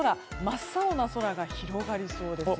真っ青な空が広がりそうです。